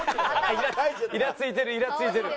イラついてるイラついてる。